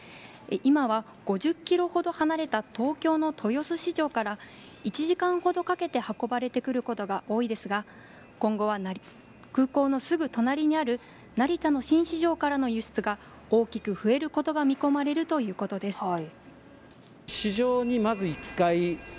今は５０キロほど離れた東京の豊洲市場から１時間ほどかけて運ばれてくることが多いですが、今後は空港のすぐ隣にある成田の新市場からの輸出が大きく増えることが見込まれるということです。